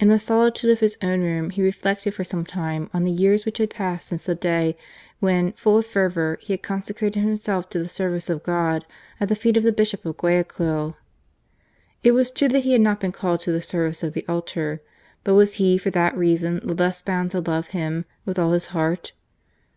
In the solitude of his own room he reflected for some time on the years which had passed since the day, when, full of fervour, he had consecrated himself to the service of God at the feet of the Bishop of Guayaquil. It was true that he had not been called to the service of the altar : but was he for that reason the less bound to love Him with all his heart